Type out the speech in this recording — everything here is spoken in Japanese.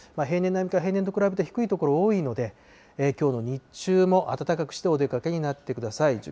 平年並みか平年と比べて低い所多いので、きょうの日中も暖かくしてお出かけになってください。